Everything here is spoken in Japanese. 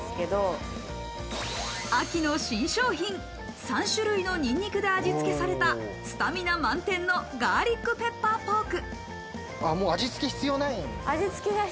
秋の新商品、３種類のニンニクで味つけされたスタミナ満点のガーリックペッパーポーク。